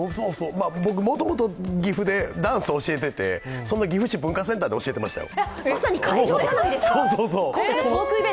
僕、もともと岐阜でダンスを教えていて、その岐阜市文化センターで教えていましたよ。